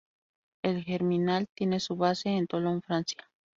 El "Germinal" tiene su base en Tolón, Francia.